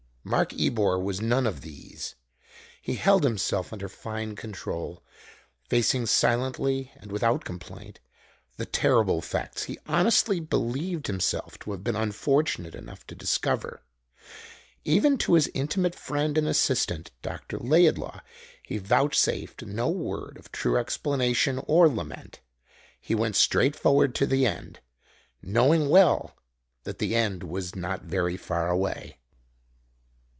Mark Ebor was none of these. He held himself under fine control, facing silently and without complaint the terrible facts he honestly believed himself to have been unfortunate enough to discover. Even to his intimate friend and assistant, Dr. Laidlaw, he vouchsafed no word of true explanation or lament. He went straight forward to the end, knowing well that the end was not very far away.